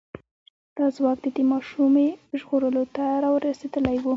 دا ځواک د دې ماشومې ژغورلو ته را رسېدلی و.